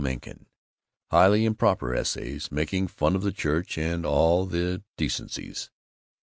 Mencken highly improper essays, making fun of the church and all the decencies.